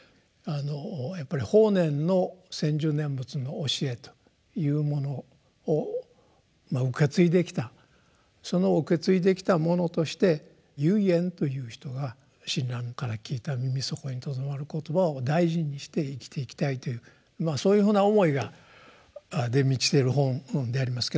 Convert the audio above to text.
やっぱり法然の「専修念仏」の教えというものを受け継いできたその受け継いできた者として唯円という人が親鸞から聞いた耳底に留まる言葉を大事にして生きていきたいというそういうふうな思いで満ちてる本でありますけど。